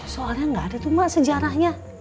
soalnya gak ada tuh mak sejarahnya